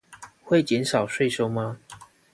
會減少稅收嗎？